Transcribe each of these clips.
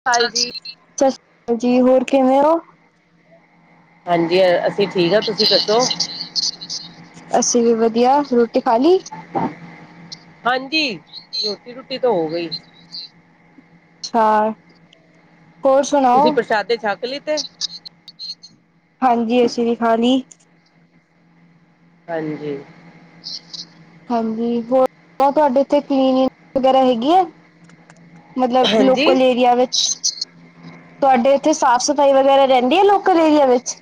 [unintelligible] ਕਾਲ ਸਤਿ ਜੀ। ਸ੍ਰੀ ਅਕਾਲ ਜੀ ਹੋਰ ਕਿਵੇਂ ਹੋ। ਹਾਂਜੀ ਅਸੀਂ ਠੀਕ ਹਾਂ ਤੁਸੀਂ ਦੱਸੋ। ਅਸੀਂ ਵੀ ਵਧੀਆ ਰੋਟੀ ਖਾ ਲਈ। ਹਾਂਜੀ ਰੋਟੀ ਰੂਟੀ ਤਾਂ ਹੋ ਗਈ। [unintelligible] ਹੋਰ ਤੁਸੀ ਸੁਣਾਓ ਪ੍ਰਸ਼ਾਦੇ ਛੱਕ ਲਿਤੇ। ਹਾਂਜੀ ਅਸੀ ਵੀ ਖਾ ਲਈ। ਹਾਂਜੀ ਹਾਂਜੀ ਹੋਰ ਤੁਹਾਡੇ ਇੱਥੇ ਕਲੀਨਿੰਗ ਵਗੈਰਾ ਹੈਗੀ ਆ। ਮਤਲਬ ਹਾਂਜੀ ਲੋਕਲ ਏਰੀਆ ਵਿੱਚ [inaudible] ਤੁਹਾਡੇ ਇੱਥੇ ਸਾਫ਼ ਸਫ਼ਾਈ ਵਗੈਰਾ ਰਹਿੰਦੀ ਹੈ ਲੋਕਲ ਏਰੀਆ ਵਿੱਚ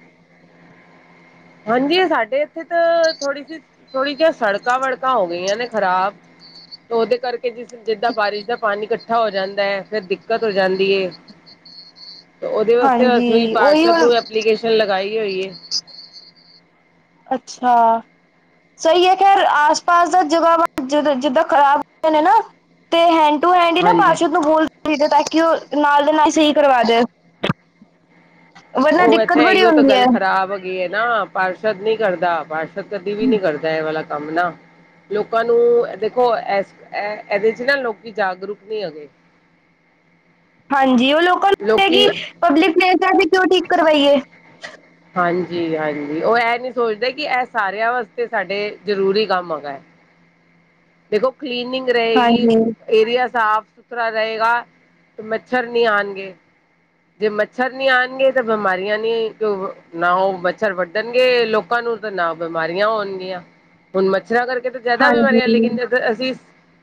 ਹਾਂਜੀ ਸਾਡੇ ਇੱਥੇ ਤਾਂ ਥੋੜੀ ਸੀ ਥੋੜੀ ਜਿਹੀ ਸੜਕਾਂ ਵੜਕਾਂ ਹੋ ਗਈਆਂ ਨੇ ਖ਼ਰਾਬ ਉਹਦੇ ਕਰਕ ਕਿ ਜਿਸ ਜਿਦਾਂ ਬਾਰਿਸ਼ ਦਾ ਪਾਣੀ ਇਕੱਠਾ ਹੋ ਜਾਂਦਾ ਹੈ ਫਿਰ ਦਿੱਕਤ ਹੋ ਜਾਂਦੀ ਏ। ਉਹਦੇ ਵਾਸਤੇ ਹਾਂਜੀ ਅਸੀਂ ਉਹੀ ਪਾਰਸ਼ਦ ਹੁਣ ਨੂੰ ਐਪਲੀਕੇਸ਼ਨ ਲਗਾਈ ਹੋਈ ਹੈ। [inaudible] ਅੱਛਾ ਸਹੀ ਹੈ ਖੈਰ ਆਸ ਪਾਸ ਦਾ ਜਗ੍ਹਾ ਵਾ ਜਦ ਜਿਦਾਂ ਖ਼ਰਾਬ ਹੋਈ ਨੇ ਨਾ ਤੇ ਹੈਂਡ ਟੂ ਹੈਂਡ ਹੀ ਨਾ ਹਾਂਜੀ ਪਾਰਸ਼ਦ ਨੂੰ ਬੋਲ ਦੇਈ ਦਾ ਕਿ ਉਹ ਨਾਲ ਦੇ ਨਾਲ ਸਹੀ ਕਰਵਾ ਦੇ। ਵਰਨਾ ਦਿੱਕਤ ਬੜੀ ਹੁੰਦੀ ਹੈ। ਓਹ ਹੀ ਹੈ ਨਾ ਪਾਰਸ਼ਦ ਨੀ ਕਰਦਾ ਪਾਰਸ਼ਦ ਕਦੀ ਵੀ ਨੀ ਕਰਦਾ ਇਹ ਵਾਲਾ ਕੰਮ ਨਾ ਲੋਕਾਂ ਨੂੰ ਦੇਖੋ ਏਸ ਏ ਇਹਦੇ 'ਚ ਨਾ ਲੋਕੀ ਜਾਗਰੂਕ ਨਹੀ ਹੈਗੇ। ਹਾਂਜੀ ਉਹ ਲੋਕਾਂ ਨੂੰ ਲਗਦਾ ਲੋਕੀ ਹੈ ਕਿ ਪਬਲਿਕ ਪਲੇਸ ਹੈ ਵੀ ਕਿਉਂ ਠੀਕ ਕਰਵਾਈਏ। ਹਾਂਜੀ-ਹਾਂਜੀ ਉਹ ਇਹ ਨੀ ਸੋਚਦੇ ਕਿ ਇਹ ਸਾਰਿਆਂ ਵਾਸਤੇ ਸਾਡੇ ਜ਼ਰੂਰੀ ਕੰਮ ਹੈਗਾ। ਦੇਖੋ ਕਲੀਨਿੰਗ ਰਹੇਗੀ। ਹਾਂਜੀ ਏਰੀਆ ਸਾਫ਼ ਸੁਥਰਾ ਥੋੜਾ ਰਹੇਗਾ ਮੱਛਰ ਨਹੀਂ ਆਂਣਗੇ। ਜੇ ਮੱਛਰ ਨਹੀਂ ਆਉਣਗੇ ਤਾਂ ਬਿਮਾਰੀਆਂ ਨਹੀਂ ਨਾ ਉਹ ਮੱਛਰ ਵੱਢਣਗੇ ਲੋਕ ਲੋਕਾਂ ਨੂੰ ਤਾਂ ਨਾ ਬਿਮਾਰੀਆਂ ਹੋਣਗੀਆਂ ਹੁਣ ਮੱਛਰਾਂ ਕਰਕੇ ਤਾਂ ਜ਼ਿਆਦਾ ਬਿਮਾਰੀਆਂ ਹਾਂਜੀ ਲੇਕਿਨ ਜਦ ਅਸੀ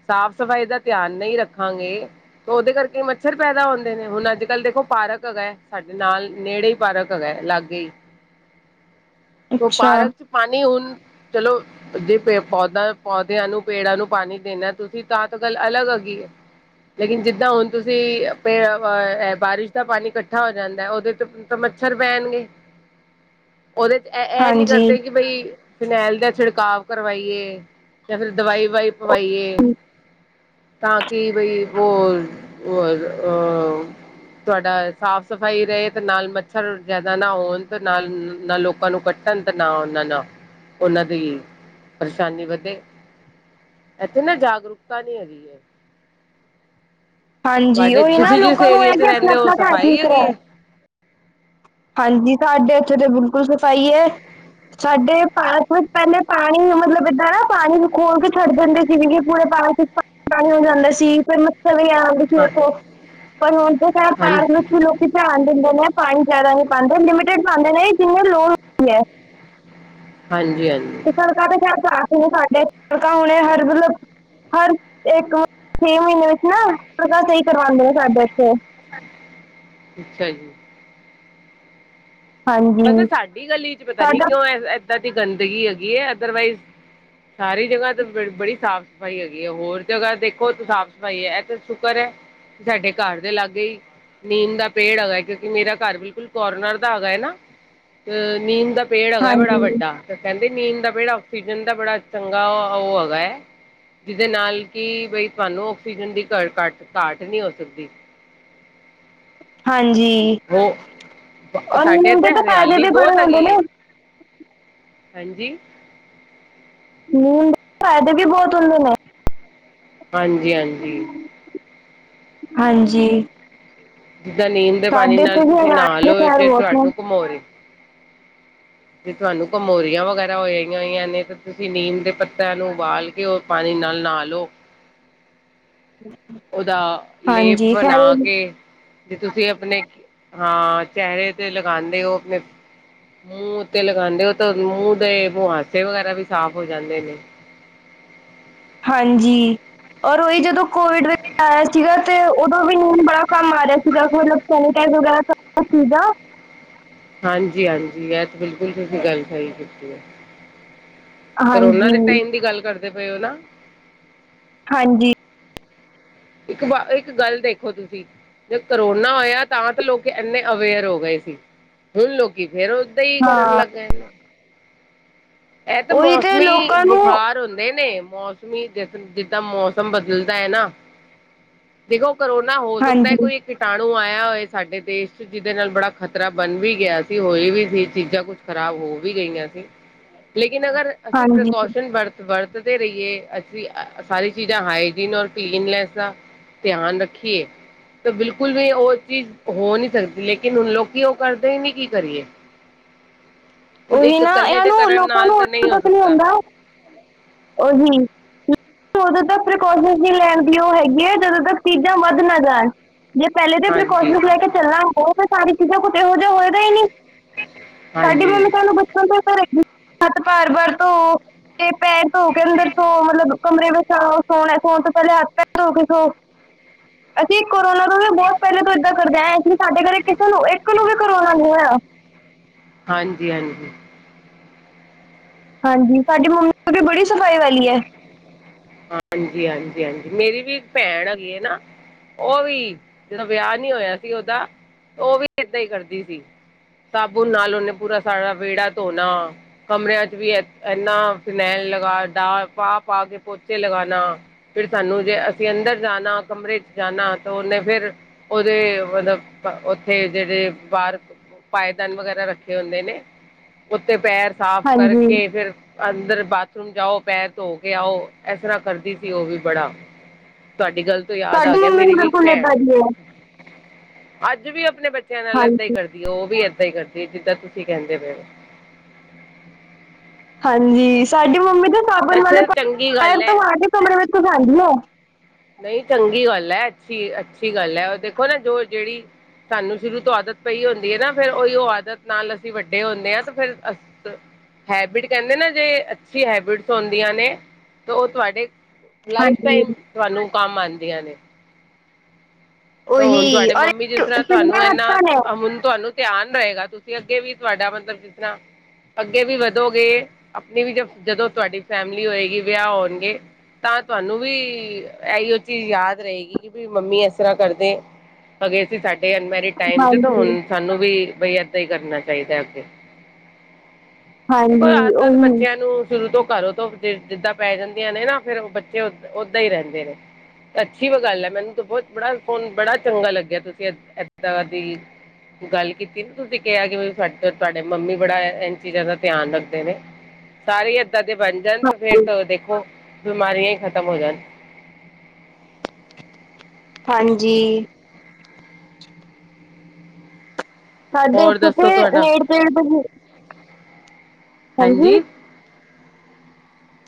ਸਾਫ਼ ਸਫ਼ਾਈ ਦਾ ਧਿਆਨ ਨਹੀਂ ਰੱਖਾਂਗੇ। ਉਹਦੇ ਕਰਕੇ ਮੱਛਰ ਪੈਦਾ ਹੁੰਦੇ ਨੇ ਹੁਣ ਅੱਜ ਕੱਲ੍ਹ ਦੇਖੋ ਪਾਰਕ ਹੈਗਾ ਸਾਡੇ ਨਾਲ ਨੇੜੇ ਹੀ ਪਾਰਕ ਹੈਗਾ ਲਾਗੇ ਹੀ ਤਾਂ ਅੱਛਾ ਪਾਰਕ 'ਚ ਪਾਣੀ ਹੁਣ ਚਲੋ। ਜੇ ਪੇ ਪੌਦਾ ਪੌਦਿਆਂ ਨੂੰ ਪੇੜਾਂ ਨੂੰ ਪਾਣੀ ਦੇਣਾ ਤੁਸੀਂ ਤਾਂ ਤੇ ਗੱਲ ਅਲੱਗ ਹੈਗੀ ਹੈ। ਲੇਕਿਨ ਜਿੱਦਾਂ ਹੁਣ ਤੁਸੀਂ ਆ ਆਪਾਂ ਐ ਬਾਰਿਸ਼ ਦਾ ਪਾਣੀ ਇਕੱਠਾ ਹੋ ਜਾਂਦਾ ਉਹਦੇ ਤੇ ਤਾਂ ਮੱਛਰ ਪਹਿਣਗੇ। ਉਹਦੇ 'ਚ ਇਹ ਨੀ ਹਾਂਜੀ ਕਰਦੇ ਕਿ ਬਈ ਫਿਨੈਲ ਦਾ ਛਿੜਕਾਵ ਕਰਵਾਈਏ ਜਾਂ ਫਿਰ ਦਵਾਈ ਵਵਾਈ ਪਵਾਈਏ। ਤਾਂ ਕਿ ਬਈ ਉਹ ਓ- ਓ ਤੁਹਾਡਾ ਸਾਫ਼ ਸਫ਼ਾਈ ਰਹੇ ਤੇ ਨਾਲ ਮੱਛਰ ਜ਼ਿਆਦਾ ਨਾ ਹੋਣ ਤੇ ਨਾਲ- ਨਾਲ ਲੋਕਾਂ ਨੂੰ ਕੱਟ ਤਤ ਨਾ ਉਹਨਾਂ ਨਾਲ ਉਹਨਾਂ ਦੀ ਪਰੇਸ਼ਾਨੀ ਵਧੇ ਇੱਥੇ ਨਾ ਜਾਗਰੂਕਤਾ ਨੀ ਹੈਗੀ ਹੈ। ਹਾਂਜੀ ਤੁਹਾਡੇ ਉਹੀ ਨਾ ਤੁਸੀਂ ਜਿਸ ਲੋਕਾਂ ਨੂੰ ਇਹ ਏਰੀਏ ਚ ਕਿ ਆਪਣਾ- ਰਹਿੰਦੇ ਹੋ ਆਪਣਾ ਘਰ ਠੀਕ ਸਫ਼ਾਈ ਹੈਗੀ ਕਰਾਓ। ਹੈ ਹਾਂਜੀ ਸਾਡੇ ਉੱਥੇ ਤੇ ਬਿਲਕੁਲ ਸਫ਼ਾਈ ਹੈ। ਸਾਡੇ ਪਾਰਕ ਵਿੱਚ ਪਹਿਲੇ ਪਾਣੀ ਮਤਲਬ ਏਦਾਂ ਨਾ ਪਾਣੀ ਖੋਲ ਕੇ ਛੱਡ ਜਾਂਦੇ ਜਿਵੇਂ ਕਿ ਪੂਰੇ ਪਾਰਕ ਪਾ ਪਾਣੀ ਹੋ ਜਾਂਦਾ ਸੀ ਫਿਰ ਮਛਰ ਵੀ ਆ। ਹਾਂ ਖੋ ਪਰ ਹੁਣ ਤਾਂ ਹਾਂ ਪਾਰਕ ਵਿੱਚ ਵੀ ਲੋਕੀ ਧਿਆਨ ਦਿੰਦੇ ਨੇ ਪਾਣੀ। ਜ਼ਿਆਦਾ ਨਹੀਂ ਪਾਉਂਦੇ ਲਿਮਿਟਡ ਪਾਉਦੇ ਨੇ ਜਿੰਨੀ ਲੋਡ ਹੁੰਦੀ ਹੈ। ਹਾਂਜੀ, ਹਾਂਜੀ, ਸੜਕਾਂ ਤੇ ਖੈਰ ਸਾਫ ਨੇ ਸਾਡੇ ਸੜਕਾਂ ਹੋਣ ਹਰ ਮਤਲਬ ਹਰ ਇੱਕ ਛੇ ਮਹੀਨੇ ਵਿੱਚ ਨਾ ਸਹੀ ਕਰਵਾਉਂਦੇ ਨੇ ਸਾਡੇ ਇੱਥੇ ਅੱਛਾ ਜੀ, ਹਾਂਜੀ ਬਸ ਸਾਡੀ ਗਲੀ ਚ ਪਤਾ ਨੀ ਸਾਡਾ ਕਿਉਂ ਏਦਾਂ ਦੀ ਗੰਦਗੀ ਹੈਗੀ ਹੈ ਅਦਰਵਾਈਜ਼ ਸਾਰੀ ਜਗ੍ਹਾ ਤੇ ਬੜੀ ਸਾਫ਼ ਸਫ਼ਾਈ ਹੈਗੀ ਹੈ, ਹੋਰ ਜਗ੍ਹਾ ਦੇਖੋ ਸਾਫ਼ ਸਫ਼ਾਈ ਹੈ ਇਹ ਤੇ ਸ਼ੁਕਰ ਹੈ। ਸਾਡੇ, ਘਰ ਦੇ ਲਾਗੇ ਹੀ। ਨੀਂਦ ਦਾ ਪੇੜ ਹੈਗਾ ਕਿਉਂਕਿ ਮੇਰਾ ਘਰ ਬਿਲਕੁਲ ਕੋਰਨਰ ਦਾ ਹੈਗਾ ਹੈ ਨਾ। ਅ ਨੀਂਦ ਦਾ ਪੇੜ ਹੈਗਾ ਬੜਾ ਹਾਂਜੀ ਵੱਡਾ ਕਹਿੰਦੇ ਨੀਂਦ ਦਾ ਬਿਹੜਾ ਆਕਸੀਜਨ ਦਾ ਬੜਾ ਚੰਗਾ ਉਹ ਹੈਗਾ ਹੈ। ਜਿਹਦੇ ਨਾਲ ਕਿ ਬਈ ਤੁਹਾਨੂੰ ਆਕਸੀਜਨ ਦੀ ਘਟ ਘੱਟ ਘਾਟ ਨਹੀਂ ਹੋ ਸਕਦੀ। ਹਾਂਜੀ, ਹੋ ਔਰ ਸਾਡੇ ਨੀਮ ਦੇ ਇੱਥੇ ਤਾਂ ਫਾਇਦੇ ਹਰਿਆਲੀ ਵੀ ਬੜੇ ਬਹੁਤ ਹੁੰਦੇ ਹੈਗੀ ਨੇ ਹੈ। ਹਾਂਜੀ, ਹਮ ਫਾਇਦਾ ਵੀ ਬਹੁਤ ਹੁੰਦੇ ਨੇ, ਹਾਂਜੀ, ਹਾਂਜੀ ਹਾਂਜੀ, ਜਿੱਦਾਂ ਨੀਂਦ ਦੇ ਪਾਣੀ ਸਾਡੇ ਨਾਲ ਤੇ ਵੀ ਤੁਸੀਂ ਅਨਾਜ ਨਾ ਦੇ ਲਓ, ਖੈਰ ਜੇ ਬਹੁਤ ਨੇ ਤੁਹਾਨੂੰ ਘਮੋ ਰਹੇ, [inaudible] ਜੇ ਤੁਹਾਨੂੰ ਕਮੋਰੀਆਂ ਵਗੈਰਾ ਹੋਆਂ ਹੋਈਆਂ ਨੇ ਤੇ ਤੁਸੀਂ ਨੀਮ ਦੇ ਪੱਤਿਆਂ ਨੂੰ ਉਬਾਲ ਕੇ ਕਿ ਉਹ ਪਾਣੀ ਨਾਲ ਨਾ ਲਓ, ਉਹਦਾ ਲੇਪ ਹਾਂਜੀ ਬਣਾ ਖੈਰ ਕੇ, ਜੇ ਤੁਸੀਂ ਆਪਣੇ ਹਾਂ ਚਿਹਰੇ ਤੇ ਲਗਾਉਂਦੇ ਹੋ ਆਪਣੇ ਮੂੰਹ ਉੱਤੇ ਲਗਾਉਂਦੇ ਉਹ ਤਾਂ ਮੂੰਹ ਦੇ ਬਹਾਸੇ ਵਗੈਰਾ ਵੀ ਸਾਫ਼ ਹੋ ਜਾਂਦੇ ਨੇ, ਹਾਂਜੀ, ਔਰ ਉਹੀ ਜਦੋਂ ਕੋਵਿਡ ਵਿੱਚ ਆਇਆ ਸੀਗਾ ਤੇ ਉਦੋਂ ਵੀ ਨਹੀਂ ਬੜਾ ਕੰਮ ਆ ਰਿਹਾ ਸੀਗਾ ਮਤਲਬ ਸੈਨੀਟਾਈ ਵਗੈਰਾ ਸੀਗਾ। ਹਾਂਜੀ ਹਾਂਜੀ ਇਹ ਤਾਂ ਬਿਲਕੁਲ ਤੁਸੀਂ ਗੱਲ ਸਹੀ ਕੀਤੀ ਹੈ। ਕਰੋਨਾ ਦੇ ਹਾਂਜੀ ਟਾਈਮ ਦੀ ਗੱਲ ਕਰਦੇ ਪਏ ਹੋ ਨਾ, ਹਾਂਜੀ, ਇੱਕ ਬਾ, ਇੱਕ ਗੱਲ, ਦੇਖੋ ਤੁਸੀਂ ਜ ਕਰੋਨਾ ਹੋਇਆ ਤਾਂ ਤਾਂ ਲੋਕ ਇੰਨੇ ਅਵੇਅਰ ਹੋ ਗਏ ਸੀ। ਹੁਣ ਲੋਕੀ ਫੇਰ, ਹੀ ਕਰਨ ਹਾਂ ਲੱਗਾ ਇਹਨਾ ਇਹ ਤਾਂ ਉਹੀ ਤੇ ਮੌਸਮੀ ਲੋਕਾਂ ਨੂੰ ਬੁਖਾਰ ਹੁੰਦੇ ਨੇ ਮੌਸ ਜ ਜਿੱਦਾਂ ਮੌਸਮ ਬਦਲਦਾ ਹੈ ਨਾ ਦੇਖੋਂ, ਕਰੋਨਾ ਹੋ ਸਕਦਾ ਹਾਂਜੀ ਕੋਈ ਕੀਟਾਣੂ ਆਇਆ ਹੋਏ ਸਾਡੇ ਦੇਸ਼ 'ਚ, ਜਿਹਦੇ ਨਾਲ ਬੜਾ ਖ਼ਤਰਾ ਬਣ ਵੀ ਗਿਆ ਸੀ। ਹੋਈ ਵੀ ਸੀ, ਚੀਜ਼ਾਂ ਕੁਛ ਖ਼ਰਾਬ ਹੋ ਵੀ ਗਈਆਂ ਸੀ। ਲੇਕਿਨ ਅਗਰ, ਅਸੀਂ ਹਾਂਜੀ ਪ੍ਰੀਕੋਸ਼ਨ ਵਰ ਵਰਤਦੇ ਰਹੀਏ। ਅਸੀਂ ਅ ਸਾਰੀ ਚੀਜ਼ਾਂ ਹਾਈਜੀਨ ਔਰ ਕਲੀਨਨੈਸ ਆ। ਧਿਆਨ ਰੱਖੀਏ। ਤੇ ਬਿਲਕੁਲ ਵੀ ਉਹ ਚੀਜ਼ ਹੋ ਨੀ ਸਕਦੀ। ਲੇਕਿਨ ਹੁਣ, ਲੋਕੀ ਉਹ ਕਰਦੇ ਨੀ ਕੀ ਕਰੀਏ? ' [inaudible] ਹੁਣ ਇੱਕ ਕੱਲੇ ਦੇ ਕਰਨ ਨਾਲ ਤਾਂ ਨਹੀਂ ਹੋ ਕੁਝ ਨੀ ਸਕਦਾ ਹੁੰਦਾ ਉਦੋਂ ਤੱਕ ਪ੍ਰੀਕੋਸ਼ਨ ਲੈਣ ਦੀ ਉਹ ਹੈਗੀ ਹੈ, ਜਦੋਂ ਤੱਕ ਚੀਜ਼ਾਂ ਵੱਧ ਨਾ ਜਾਣ। ਜੇ ਪਹਿਲੇ ਦੇ ਹਾਂਜੀ ਪ੍ਰੀਕੋਸ਼ਨ ਲੈ ਕੇ ਚੱਲਾਂ '', ਕੁੱਛ ਇਹੋ ਜਿਹਾ ਹੋਏਗਾ ਹੀ ਨੀ। ਸਾਡੀ ਹਾਂਜੀ ਮੰਮੀ ਸਾਨੂੰ ਬਚਪਨ ਤੋਂ ' ਹੱਥ ਬਾਰ ਬਾਰ ਤੋਂ ਤੇ ਪੈਰ ਧੋ ਕੇ ਅੰਦਰ ਧੋ, ਮਤਲਬ ਕਮਰੇ ਵਿੱਚ ਆਓ। ਸੋਣਾ, ਸੌਣ ਤੋਂ ਪਹਿਲੇ ਹੱਥ ਪੈਰ ਧੋ ਕੇ ਸੋ ਅਸੀਂ ਕੋਰੋਨਾ ਤੋਂ ਵੀ ਬਹੁਤ ਪਹਿਲੇ ਤੋਂ ਇੱਦਾਂ ਕਰਦੇ ਐ। ਸਾਡੇ ਘਰ ਕਿਸੇ ਨੂੰ, ਇੱਕ ਨੂੰ ਵੀ ਕੋਰੋਨਾ ਹੋਇਆ। ਹਾਂਜੀ-ਹਾਂਜੀ। ਹਾਂਜੀ, ਸਾਡੀ ਮੰਮੀ ਵੀ ਬੜੀ ਸਫ਼ਾਈ ਵਾਲੀ ਹੈ। ਹਾਂਜੀ-ਹਾਂਜੀ-ਹਾਂਜੀ। ਮੇਰੀ ਵੀ ਇੱਕ ਭੈਣ ਹੈਗੀ ਹੈ ਨਾ। ਉਹ ਵੀ, ਜਦੋਂ ਵਿਆਹ ਨੀ ਹੋਇਆ ਸੀ ਉਦਾ, ਉਹ ਵੀ ਇੱਦਾਂ ਹੀ ਕਰਦੀ ਸੀ। ਸਾਬੁਣ ਨਾਲ ਉਹਨੇ ਪੂਰਾ ਸਾਰਾ ਵਿਹੜਾ ਧੋਣਾ। ਕਮਰਿਆਂ 'ਚ ਵੀ ਇੰਨਾ ਫਿਨੈਲ ਲਗਾ ਡਾ, ਪਾ-ਪਾ ਕੇ ਪੋਚੇ ਲਗਾਣਾ। ਫਿਰ ਸਾਨੂੰ ਜੇ ਅਸੀਂ ਅੰਦਰ ਜਾਣਾ, ਕਮਰੇ 'ਚ ਜਾਣਾ ਤਾਂ ਉਹਨੇ ਫਿਰ ਉਹਦੇ ਮਤਲਬ ਬ, ਉੱਥੇ ਜਿਹੜੇ ਬਾਰਕ ਪਾਏਦਾਨ ਵਗ਼ੈਰਾ ਰੱਖੇ ਹੁੰਦੇ ਨੇ। ਉੱਤੇ ਪੈਰ ਸਾਫ਼ ਹਾਂਜੀ ਕਰਕੇ, ਫਿਰ ਅੰਦਰ ਬਾਥਰੂਮ ਜਾਓ। ਪੈਰ ਧੋ ਕੇ ਆਓ। ਇਸ ਤਰ੍ਹਾਂ ਕਰਦੀ ਸੀ, ਉਹ ਵੀ ਬੜਾ। ਤੁਹਾਡੀ ਗੱਲ ਤੋਂ ਯਾਦ ਆ ਸਾਡੀ ਗਿਆ, ਮੰਮੀ ਮੇਰੀ ਵੀ ਇੱਕ ਬਿਲਕੁਲ ਭੈਣ ਏਦਾਂ ਦੀ ਹੈ ਅੱਜ ਵੀ ਆਪਣੇ ਬੱਚਿਆਂ ਨਾਲ ਏਦਾਂ ਹੀ ਹਾਂਜੀ ਕਰਦੀ ਐ। ਉਹ ਵੀ ਇੱਦਾਂ ਹੀ ਕਰਦੀ, ਜਿੱਦਾਂ ਤੁਸੀਂ ਕਹਿੰਦੇ ਪਏ ਹੋ। ਹਾਂਜੀ। ਸਾਡੀ ਮੰਮੀ ਤੇ ਸਾਬਣ ਵਾਲੇ 'ਪਾਣੀ ' ਅੱਛਾ ਤੋਂ ਚੰਗੀ ਪੈਰ ਗੱਲ ਹੈ। ਧੋਆ ਕੇ ਕਮਰੇ ਵਿੱਚ ਘੁਸਾਂਦੀ ਉਹ ਨਹੀਂ ਚੰਗੀ ਗੱਲ ਐ। ਅੱਛੀ, ਅੱਛੀ ਗੱਲ ਐ। ਉਹ ਦੇਖੋਂ ਨਾ ਜੋ ਜਿਹੜੀ ਸਾਨੂੰ ਸ਼ੁਰੂ ਤੋਂ ਆਦਤ ਪਈ ਹੁੰਦੀ ਏ ਨਾ। ਫਿਰ ਉਹੀ ਔ ਆਦਤ ਨਾਲ ਅਸੀਂ ਵੱਡੇ ਹੁੱਣੇ ਆਂ ਤੇ ਫਿਰ ' [inaudible] ' [inaudible] ਹੈਬਿਟ ਕਹਿੰਦੇ ਨਾ ਜੇ, ਅੱਛੀ ਹੈਬਿਟਸ ਹੁੰਦੀਆਂ ਨੇ ਤੋ ਉਹ ਤੁਹਾਡੇ ਲਾਈਫ ਹਾਂਜੀ ਟਾਈਮ, ਤੁਹਾਨੂੰ ਕੰਮ ਆਉਣਦੀਆਂ ਨੇ। ਤੋਂ ਹੁਣ ਉਹੀ ਤੁਹਾਡੇ ਔਰ ਮੰਮੀ ਜਿਸ ਤਰ੍ਹਾਂ, ਚੰਗੀਆਂ ਤੁਹਾਨੂੰ ਇਹਨਾ, ਹੱਥਾਂ ਨੇ ਹੁਣ ਤੁਹਾਨੂੰ ਧਿਆਨ ਰਹੇਗਾ। ਤੁਸੀਂ ਅੱਗੇ ਵੀ ਤੁਹਾਡਾ ਮਤਲਬ ਜਿਸ ਤਰ੍ਹਾਂ ਅੱਗੇ ਵੀ ਵਧੋਗੇ। ਆਪਣੀ ਵੀ ਜਦੋਂ ਤੁਹਾਡੀ ਫੈਮਿਲੀ ਹੋਏਗੀ, ਵਿਆਹ ਹੋਣਗੇ। ਤਾਂ ਤੁਹਾਨੂੰ ਵੀ, ਇਹੀਓ ਚੀਜ਼ ਯਾਦ ਰਹੇਗੀ ਕੀ ਬੀ ਮੰਮੀ ਇਸ ਤਰ੍ਹਾਂ ਕਰ 'ਤੇ ' ਅੱਗੇ ਸੀ, ਸਾਡੇ ਅਨਮੈਰਿਡ ਟਾਈਮ 'ਚ ਤੋਂ ਹਾਂਜੀ ਹੁਣ ਸਾਨੂੰ ਵੀ, ਬਈ ਏਦਾਂ ਹੀ ਕਰਨਾ ਚਾਹੀਦਾ ਅੱਗੇ। ' ਹਾਂਜੀ ਰਾਤ ਤੱਕ ਉਹੀ ਬੱਚਿਆਂ ਨੂੰ ਸ਼ੁਰੂ ਤੋਂ ਘਰੋਂ ਤੋਂ ਜਿ, ਜਿੱਦਾਂ ਪੈ ਜਾਂਦੀਆਂ ਨੇ ਨਾ, ਫਿਰ ਬੱਚੇ ਔ ਓਦਾਂ ਹੀ ਰਹਿੰਦੇ ਨੇ। ਅੱਛੀ ਵ ਗੱਲ ਹੈ। ਮੈਨੂੰ ਤਾਂ ਬਹੁਤ ਬੜਾ, ਹੁਣ ਬੜਾ ਚੰਗਾ ਲੱਗਿਆ ਤੁਸੀਂ ਇਦ ਇੱਦਾਂ ਦੀ ਗੱਲ ਕੀਤੀ ਨਾ ਤੁਸੀਂ ਕਿਹਾ ਕਿ ਸਾਡੇ ਤੋਂ ਤੁਹਾਡੇ ਮੰਮੀ ਬੜਾ ਇਨ ਚੀਜ਼ਾਂ ਦਾ ਧਿਆਨ ਰੱਖਦੇ ਨੇ। ਸਾਰੇ ਇੱਦਾਂ ਦੇ ਬਣ ਜਾਣ ਤੇ ਫੇਰ ਤੋ ਦੇਖੋਂ ਬਿਮਾਰੀਆਂ ਹੀ ਖ਼ਤਮ ਹੋ ਜਾਣ। ਹਾਂਜੀ। ' [inaudible] ' [inaudible] ਹੋਰ ਦੱਸੋ ਤੁਹਾਡਾ ਹਾਂਜੀ?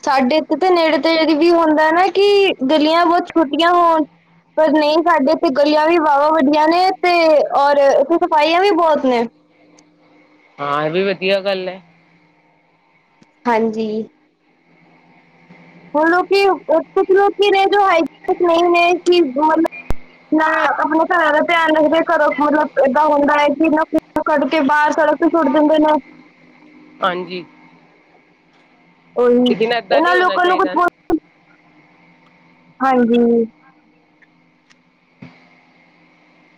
ਸਾਡੇ ਇੱਥੇ ਤੇ ਨੇੜੇ-ਤੇੜੇ ਵੀ ਹੁੰਦਾ ਨਾ ਕੀ ਗਲੀਆਂ ਬਹੁਤ ਛੋਟੀਆਂ ਹੋਣ। ਪਰ ਨਹੀਂ ਸਾਡੇ ਇੱਥੇ ਗਲੀਆਂ ਵੀ ਵਾਹਵਾ ਵੱਡੀਆਂ ਨੇ ਤੇ ਔਰ ਇੱਥੇ ਸਫਾਈਆਂ ਵੀ ਬਹੁਤ ਨੇ। ਹਾਂ ਇਹ ਵੀ ਵਧੀਆ ਗੱਲ ਹੈ ਹਾਂਜੀ ਬਲ ਕਿ ਕੁਛ ਲੋਕ ਕੀ ਨੇ ਹ ਨਹੀਂ ਕਿ [unintelligible] ਨਾ ਆਪਣਾ ਘਰਾਂ ਦਾ ਧਿਆਨ ਰੱਖਦੇ ਕਰੋ ਮਤਲਬ ਏਦਾਂ ਹੁੰਦਾ ਹੈ ਕਿ ਕੱਢ ਕੇ ਬਾਹਰ ਸੜਕ ਤੇ ਸੁੱਟ ਦਿੰਦੇ ਨੇ ਹਾਂਜੀ ਉਹੀ ਲੇਕਿਨ ਏਦਾਂ ਇਹਨਾਂ ਨਹੀਂ ਹੋਣਾ ਲੋਕਾਂ ਨੂੰ ਚਾਹੀਦਾ ਬਹੁ ਨਾ ਹਾਂਜੀ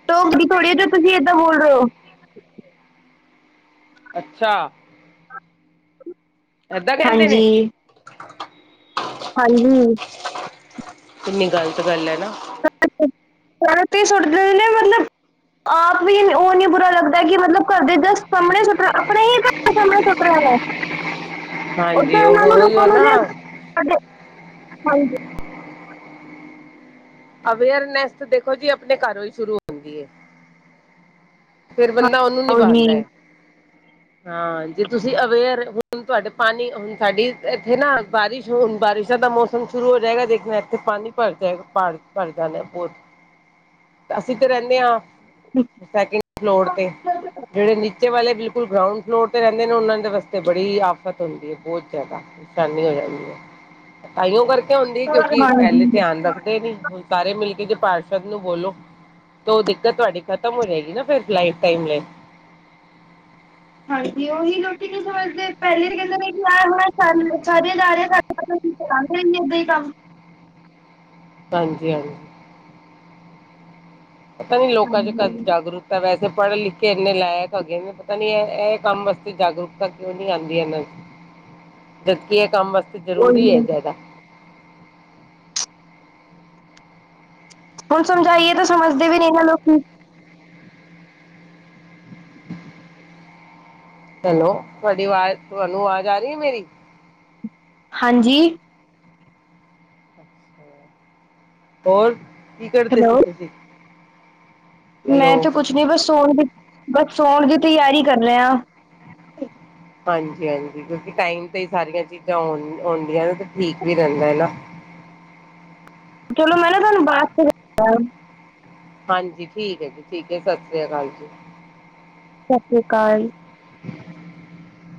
ਟੋਕਦੀ ਥੋੜੀ ਜੋ ਤੁਸੀਂ ਏਦਾਂ ਬੋਲ ਰਹੇ ਹੋ ਅੱਛਾ ਏਦਾਂ ਕਹਿੰਦੇ ਹਾਂਜੀ ਨੇ ਹਾਂਜੀ ਕਿੰਨੀ ਗ਼ਲਤ ਗੱਲ ਹੈ ਨਾ ਰਾਤੀ ਸੁੱਟ ਨੇ ਮਤਲਬ ਆਪ ਵੀ ਉਹ ਨੀ ਬੁਰਾ ਲੱਗਦਾ ਕਿ ਮਤਲਬ ਘਰ ਦੇ ਜਸਟ ਸਾਹਮਣੇ ਸੁੱਟ ਆਪਣੇ ਹੀ ਘਰ ਦੇ ਸਾਹਮਣੇ ਸੁੱਟਣਾ ਹਾਂਜੀ ਓਧਰ ਉਹ ਓਹਨਾਂ ਨੂੰ ਉਹੀ ਹੋ ਲੋਕਾਂ ਨੂੰ ਨਾ ਜੇ ਸਾਡੇ ਹਾਂਜੀ ਅਵੇਅਰਨੈਸ ਦੇਖੋ ਜੀ ਆਪਣੇ ਘਰੋਂ ਹੀ ਸ਼ੁਰੂ ਹੁੰਦੀ ਹੈ ਫੇਰ ਬੰਦਾ ਉਹਨੂੰ ਨਿਭਾਂਦਾ ਹੈ [inaudible] ਹਾਂ ਜੇ ਤੁਸੀਂ ਅਵੇਅਰ ਹੁਣ ਤੁਹਾਡੇ ਪਾਣੀ ਹੁਣ ਸਾਡੀ ਇੱਥੇ ਨਾ ਬਾਰਿਸ਼ ਹੁਣ ਬਾਰਿਸ਼ਾਂ ਦਾ ਮੌਸਮ ਸ਼ੁਰੂ ਹੋ ਜਾਏਗਾ ਦੇਖ਼ਨਾ ਇੱਥੇ ਪਾਣੀ ਭਰ ਜਾਏਗਾ ਪਹਾੜ ਕਰਦਾਣਾ [unintelligible] ਬਹੁਤ ਅਸੀਂ ਤੇ ਰਹਿੰਨੇ ਆਂ ਸੈਕਿੰਡ ਫਲੋ ਫਲੋਰ ਤੇ ਜਿਹੜੇ ਨਿ ਚੇ ਵਾਲੇ ਬਿਲਕੁਲ ਗਰਾਊਂਡ ਫਲੋਰ ਤੇ ਰਹਿੰਦੇ ਨੇ ਉਹਨਾਂ ਦੇ ਵਾਸਤੇ ਬੜੀ ਆਫ਼ਤ ਹੁੰਦੀ ਹੈ ਬਹੁਤ ਜ਼ਿਆਦਾ ਸ਼ਾਨੀ ਹੋ ਜਾਂਦੀ ਹੈ ਤਾਂਹੀਓ ਕਰਕੇ ਹੁੰਂਦੀ ਕਿਉਂਕਿ ਹਾਂਜੀ ਪਹਿਲੇ ਧਿਆਨ ਰੱਖਦੇ ਨੀ ਹ [unintelligible] ਸਾਰੇ ਮਿਲਕੇ ਜੇ ਪਾਰਸ਼ਦ ਨੂੰ ਬੋਲੋ ਤੋ ਉਹ ਦਿੱਕਤ ਤੁਹਾਡੀ ਖ਼ਤਮ ਹੋ ਜਾਏਗੀ ਨਾ ਫਿਰ ਲਾਈਫ ਟਾਈਮ ਲਈ ਹਾਂਜੀ ਉਹੀ ਲੋਕੀ ਕੀ ਸੋਚਦੇ ਪਹਿਲੇ ਕਹਿੰਦੇਾਰ ਹਾਰ ਸਾਰ ਜਾਾਰ [unintelligible] ਤੁਸੀਂ ਕਰ ਰ ੱਦਾਂ ਹੀ ਕੰਮ [unintelligible] ਹਾਂਜੀ ਹਾਂਜੀ ਪਤਾ ਨੀ ਲੋਕਾਂ ਚ ਕਦੇ ਜਾਗਰੂਕ ਤਾਂ ਵੈਸੇ ਪੜ੍ਹ ਲਿਖ ਕੇ ਇੰਨੇ ਲਾਇਕ ਹਗੇ ਨੇ ਪਤਾ ਨੀ ਐ ਐ ਕੰਮ ਵਾਸਤੇ ਜਾਗਰੂਕਤਾ ਕਿਉਂ ਨੀ ਆਉਂਦੀ ਇਹਨਾਂ ਦੀ [inaudible] ਜਦਕੀ ਐ ਕੰਮ ਵਾਸਤੇ ਜ਼ਰੂਰੀ ਉਹੀ ਹੈ ਜ਼ਿਆਦਾ ਹੁਣ ਸਮਝਾਈਏ ਤਾਂ ਸਮਝਦੇ ਵੀ ਨਹੀਂ ਨਾਂ ਲੋਕੀ ਚਲੋ ਤੁਹਾਡੀ ਆਵਾਜ਼ ਤੁਹਾਨੂੰ ਆਵਾਜ਼ ਆ ਰਹੀ ਹੈ ਮੇਰੀ ਹਾਂਜੀ ਹੋਰ ਕੀ ਕਰਦੇ ਸੀ ਹੈਲੋ ਤੁਸੀਂ ਹੈਲੋ ਮੈਂ ਤੇ ਕੁਛ ਨੀ ਬਸ ਸੋਣ ਦੀ ਬਸ ਸੋਣ ਦੀ ਤਿਆਰੀ ਕਰ ਰਿਹਾਂ ਆ ਹਾਂਜੀ ਹਾਂਜੀ ਕਿਉਂਕਿ ਟਾਈਮ ਤੇ ਹੀ ਸਾਰੀਆਂ ਚੀਜ਼ਾਂ ਆ ਆਉਂਦੀਆਂ ਨਾ ਤਾਂ ਠੀਕ ਵੀ ਰਹਿੰਦਾ ਹੈ ਨਾ ਚਲੋ ਮੈਂ ਨਾ ਤੁਹਾਨੂੰ ਬਾਦ ਚ ਹਾਂਜੀ ਠੀਕ ਹੈ ਜੀ ਠੀਕ ਹੈ ਸਤਿ ਸ੍ਰੀ ਅਕਾਲ ਜੀ ਸਤਿ ਸ਼੍ਰੀ ਕਾਲ [inaudible]